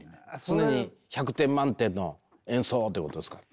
常に１００点満点の演奏をということですか？